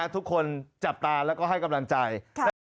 ทุกคนจับตาแล้วก็ให้กำลังใจ